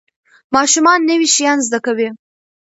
ماشومان نوي شیان زده کوي.